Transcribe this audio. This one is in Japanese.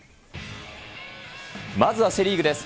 まずはセ・リーグです。